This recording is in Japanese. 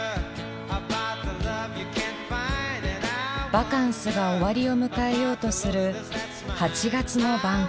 バカンスが終わりを迎えようとする８月の晩夏。